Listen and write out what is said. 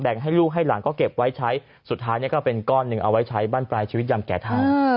ให้ลูกให้หลานก็เก็บไว้ใช้สุดท้ายก็เป็นก้อนหนึ่งเอาไว้ใช้บ้านปลายชีวิตยามแก่เท่า